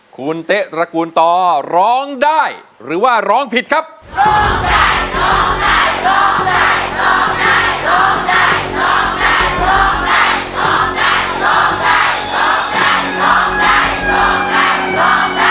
โจะคโจ่งใจโจ่งใจโจ่งใจ